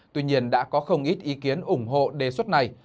tuy nhiên đã có không ít ý kiến ủng hộ đề xuất này